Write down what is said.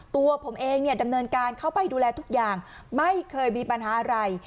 ตัวผมเองเนี่ยดำเนินการเข้าไปดูแลทุกอย่างไม่เคยมีปัญหาอะไร